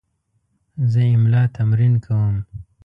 زه املا تمرین کوم.